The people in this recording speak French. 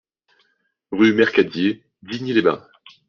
Rue Mercadier, Digne-les-Bains